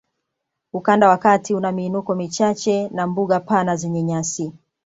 Ukanda wa kati una miinuko michache na mbuga pana zenye nyasi